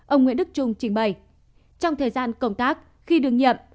ông nguyễn đức trung trình bày trong thời gian công tác khi được nhậm